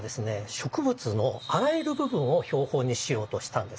植物のあらゆる部分を標本にしようとしたんですね。